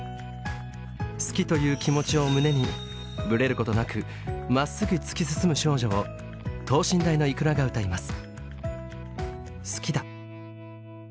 「好き」という気持ちを胸にブレることなくまっすぐ突き進む少女を等身大のｉｋｕｒａが歌います。